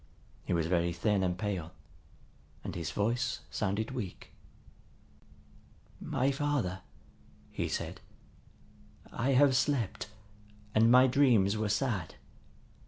He was very thin and pale, and his voice sounded weak. "My father," he said, "I have slept, and my dreams were sad.